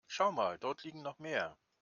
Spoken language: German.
Schau mal, dort liegen noch mehr.